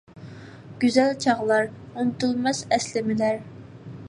گۈزەل چاغلار، ئۇنتۇلماس ئەسلىمىلەر!